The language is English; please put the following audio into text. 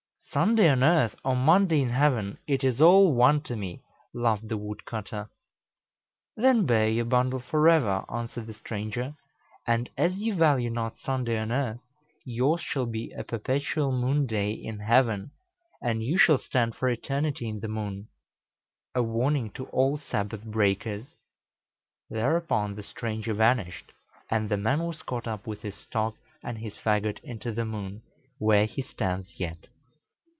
"Sunday on earth, or Monday in heaven, it is all one to me!" laughed the wood cutter. "Then bear your bundle forever," answered the stranger; "and as you value not Sunday on earth, yours shall be a perpetual Moon day in heaven; and you shall stand for eternity in the moon, a warning to all Sabbath breakers." Thereupon the stranger vanished, and the man was caught up with his stock and his fagot into the moon, where he stands yet.